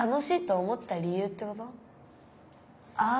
ああ！